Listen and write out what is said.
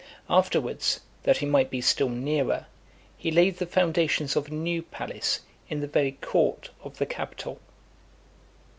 Afterwards, that he might be still nearer, he laid the foundations of a new palace in the very court of the Capitol.